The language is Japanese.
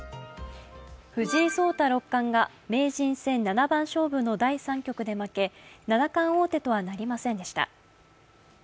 藤井聡太六冠が名人戦七番勝負の第３局で負け七冠王手とはなりませんでした。